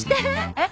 えっ？